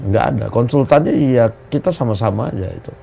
nggak ada konsultan ya kita sama sama aja itu